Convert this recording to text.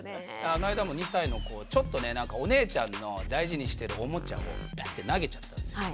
この間も２歳の子ちょっとねお姉ちゃんの大事にしてるおもちゃをビャッて投げちゃったんですよ。